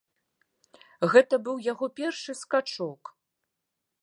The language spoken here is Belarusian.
Гэта быў яго першы скачок.